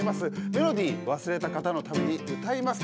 メロディー忘れた方のために歌います。